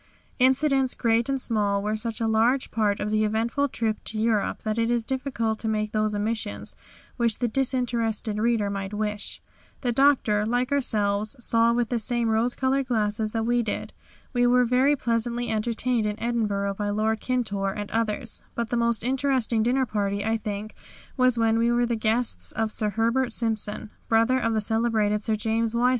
Incidents great and small were such a large part of the eventful trip to Europe that it is difficult to make those omissions which the disinterested reader might wish. The Doctor, like ourselves, saw with the same rose coloured glasses that we did. We were very pleasantly entertained in Edinburgh by Lord Kintore and others, but the most interesting dinner party I think was when we were the guests of Sir Herbert Simpson, brother of the celebrated Sir James Y.